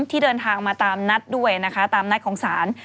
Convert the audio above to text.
ที่เดินทางมาตามนัดด้วยนะคะตามนัดของศาล